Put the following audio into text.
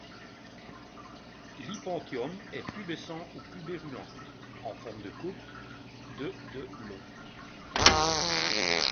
L'hypanthium est pubescent ou pubérulent, en forme de coupe, de de long.